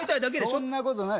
そんなことない。